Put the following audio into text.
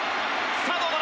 さあどうだ？